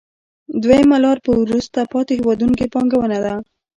دویمه لار په وروسته پاتې هېوادونو کې پانګونه ده